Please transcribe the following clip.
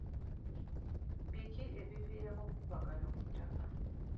Biki ebiviirako obukuubagano ku ttaka?